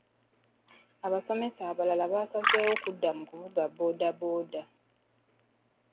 Abasomesa abalala basazeewo kudda mu kuvuga boodabooda.